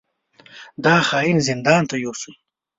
دا خاين زندان ته يوسئ!